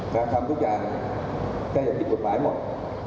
การทำทุกอย่างจะได้จะติดปฐานหมด